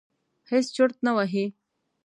هېڅ چرت نه وهي.